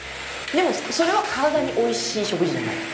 でもそれは体においしい食事じゃない。